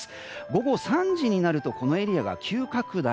午後３時になるとこのエリアが急拡大。